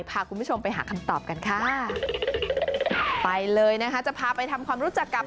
พาคุณผู้ชมไปหาคำตอบกันค่ะไปเลยนะคะจะพาไปทำความรู้จักกับ